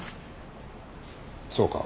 そうか。